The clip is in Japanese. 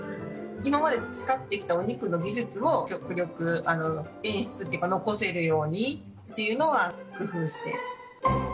今まで培ってきたお肉の技術を極力演出というか、残せるようにっていうのは、工夫して。